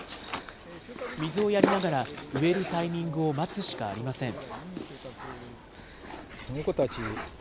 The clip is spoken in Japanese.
水をやりながら、植えるタイミングを待つしかありません。